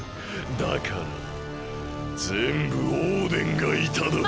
だからぜんぶオーデンがいただく。